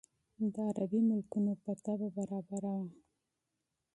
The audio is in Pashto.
د عربي ملکونو په طبع برابره وه.